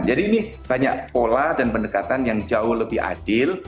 jadi ini banyak pola dan pendekatan yang jauh lebih adil